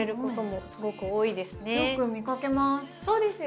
よく見かけます。